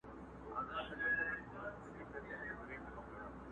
ساقي هوښیار یمه څو چېغي مي د شور پاته دي!.